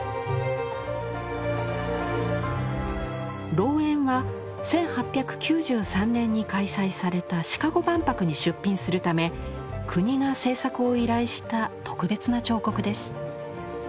「老猿」は１８９３年に開催されたシカゴ万博に出品するため国が制作を依頼した特別な彫刻です。